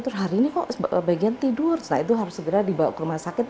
terus hari ini kok sebagian tidur setelah itu harus segera dibawa ke rumah sakit